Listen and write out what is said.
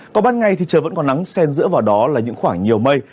còn ban ngày thì trời vẫn còn nắng sen dựa vào đó là những khoảng nhiều mây